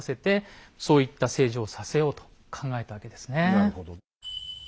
なるほど。